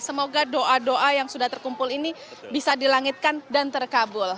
semoga doa doa yang sudah terkumpul ini bisa dilangitkan dan terkabul